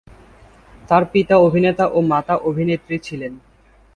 তার পিতা অভিনেতা এবং মাতা অভিনেত্রী ছিলেন।